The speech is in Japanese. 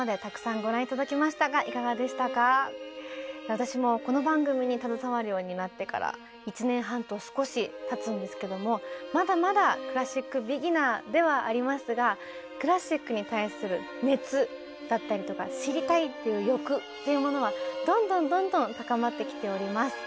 私もこの番組に携わるようになってから１年半と少したつんですけどもまだまだクラシックビギナーではありますがクラシックに対する熱だったりとか知りたいっていう欲っていうものはどんどんどんどん高まってきております。